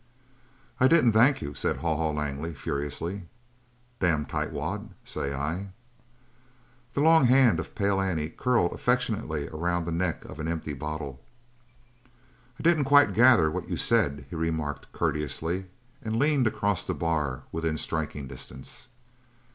"I didn't thank you," said Haw Haw Langley furiously. "Damn a tight wad, say I!" The long hand of Pale Annie curled affectionately around the neck of an empty bottle. "I didn't quite gather what you said?" he remarked courteously, and leaned across the bar within striking distance.